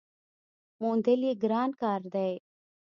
موندل یې ګران کار دی .